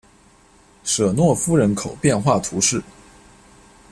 舍诺夫人口变化图示